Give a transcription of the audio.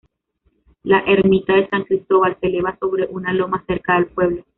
La ermita de San Cristóbal se eleva sobre una loma, cerca del pueblo.